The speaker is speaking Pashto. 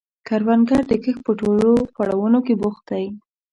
کروندګر د کښت په ټولو پړاوونو کې بوخت دی